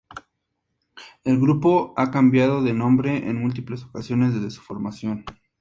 El grupo ha cambiado de nombre en múltiples ocasiones desde su formación.